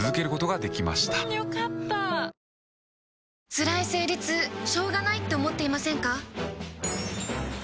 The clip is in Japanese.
つらい生理痛しょうがないって思っていませんか？